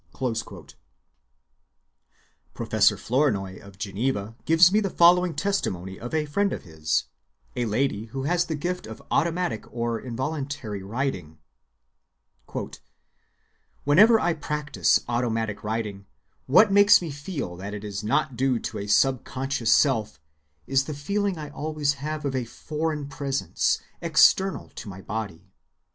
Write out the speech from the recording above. (26) Professor Flournoy of Geneva gives me the following testimony of a friend of his, a lady, who has the gift of automatic or involuntary writing:— "Whenever I practice automatic writing, what makes me feel that it is not due to a subconscious self is the feeling I always have of a foreign presence, external to my body.